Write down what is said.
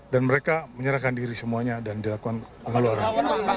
dan mereka menyerahkan diri semuanya dan dilakukan mengeluarkan